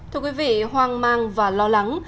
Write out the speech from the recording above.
thưa quý vị hoang mang và lo lắng